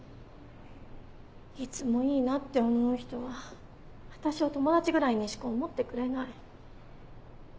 いつもいいなって思う人は私を友達ぐらいにしか思ってくれない。